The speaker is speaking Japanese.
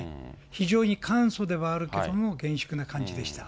非常に簡素ではあるけども、厳粛な感じでした。